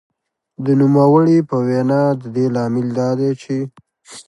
د نوموړې په وینا د دې لامل دا دی چې